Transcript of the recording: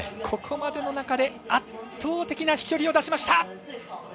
ここまでの中で圧倒的な飛距離を出しました！